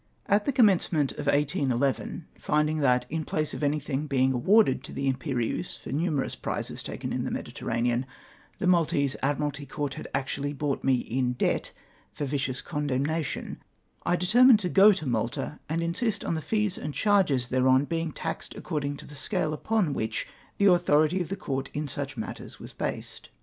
At the commencement of ISll, finding that, in place of anything being awarded to the Imperieuse for nu merous prizes taken in the Mediterranean, the Maltese Admu'alty Court had actually brought me in debt for vicious condemnation, I determmed to go to Malta, and insist on the fees and charges thereon being taxed ac cordhig to the scale upon which the authority of the Court in such matters was based.